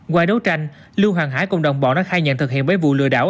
qua đấu tranh lưu hoàng hải cùng đồng bọn đã khai nhận thực hiện bảy vụ lừa đảo